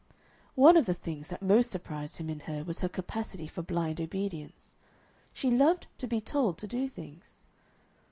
One of the things that most surprised him in her was her capacity for blind obedience. She loved to be told to do things.